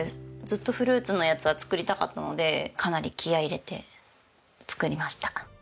ずっとフルーツのやつは作りたかったのでかなり気合入れて作りました。